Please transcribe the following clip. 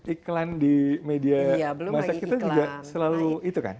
iklan di media masa kita juga selalu itu kan